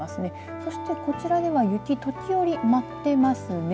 そしてこちらには雪時折、舞ってますね。